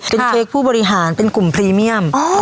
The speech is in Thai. เป็นเค้กผู้บริหารเป็นกลุ่มพรีเมียม